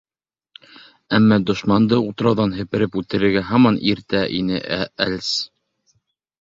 Әммә дошманды утрауҙан һепереп түгергә һаман иртә ине әлс.